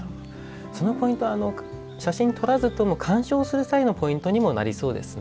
そのポイントは写真を撮らずとも鑑賞する際のポイントにもなりそうですね。